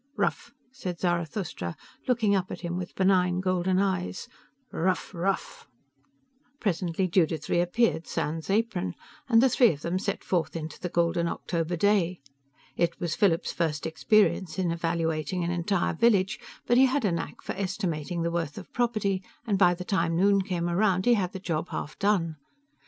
"Ruf," said Zarathustra, looking up at him with benign golden eyes. "Ruf ruf!" Presently Judith re appeared, sans apron, and the three of them set forth into the golden October day. It was Philip's first experience in evaluating an entire village, but he had a knack for estimating the worth of property, and by the time noon came around, he had the job half done.